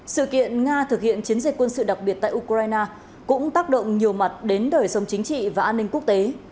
sự kiện nga thực hiện chiến dịch quân sự đặc biệt tại ukraine cũng tác động nhiều mặt đến đời sống chính trị và an ninh quốc tế